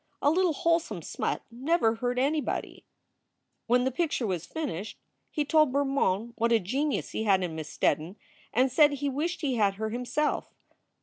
A little wholesome smut never hurt anybody." When the picture was finished he told Bermond what a genius he had in Miss Steddon and said he wished he had her himself.